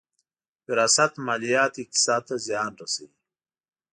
وراثت ماليات اقتصاد ته زیان رسوي.